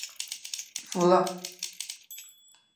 服了